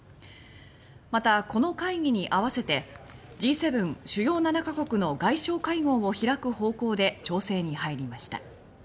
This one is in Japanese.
また、この会議に合わせてＧ７・主要７カ国の外相会合を開く方向で調整に入りました。